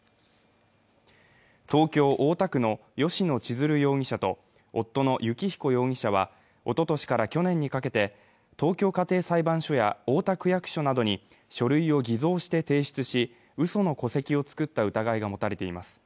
東京・大田区の吉野千鶴容疑者と夫の幸彦容疑者は、おととしから去年にかけて、東京家庭裁判所や太田区役所などに書類を偽造して提出し、うその戸籍を作った疑いが持たれています。